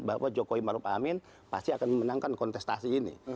bahwa jokowi maruf amin pasti akan memenangkan kontestasi ini